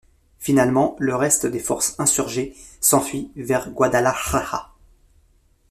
Finalement, le reste des forces insurgées s'enfuit vers Guadalajara.